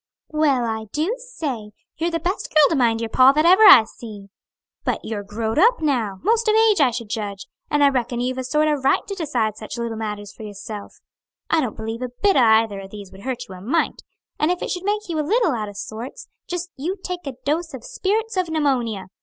"Well, I do say! you're the best girl to mind your pa that ever I see! But you're growed up now 'most of age, I should judge and I reckon you've a sort o' right to decide such little matters for yourself. I don't believe a bit o' either of these would hurt you a mite; and if it should make you a little out o' sorts just you take a dose of spirits of pneumonia.